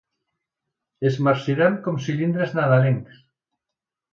Es marciren com cilindres nadalencs.